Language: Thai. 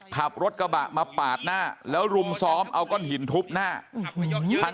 ขับรถกระบะมาปาดหน้าแล้วรุมซ้อมเอาก้อนหินทุบหน้า